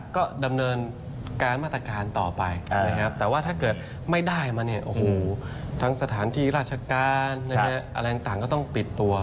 ก็ดำเนินการมาตรการต่อไปแต่ว่าถ้าเกิดไม่ได้มาทั้งสถานทีราชการอะไรต่างก็ต้องปิดตัว